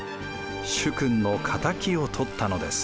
主君の敵を取ったのです。